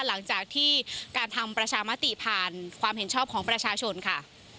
หลังจากที่การทำประชามติผ่านความเห็นชอบของประชาชนค่ะ